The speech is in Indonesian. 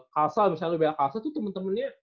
castle misalnya lo di belakang castle tuh temen temennya